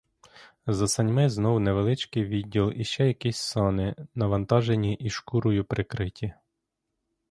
За саньми знов невеличкий відділ і ще якісь сани, навантажені і шкурою прикриті.